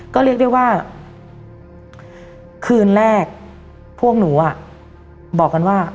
ก็เรียกได้ว่าคืนแรกพวกหนูบอกกันว่า